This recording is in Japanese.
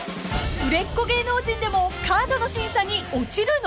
［売れっ子芸能人でもカードの審査に落ちるの！？］